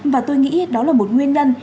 và tôi nghĩ đó là một nguyên nhân